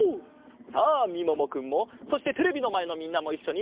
さあみももくんもそしてテレビのまえのみんなもいっしょに！